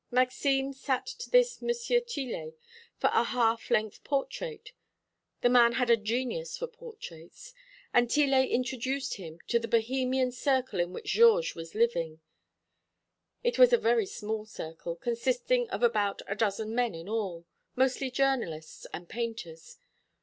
Maxime sat to this M. Tillet for a half length portrait the man had a genius for portraits and Tillet introduced him to the Bohemian circle in which Georges was living. It was a very small circle, consisting of about a dozen men in all, mostly journalists and painters.